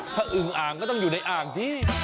ถ้าอึ่งอ่างก็ต้องอยู่ในอ่างสิ